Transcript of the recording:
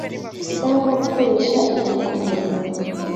cyangwa gukoresha inyandiko mpimbano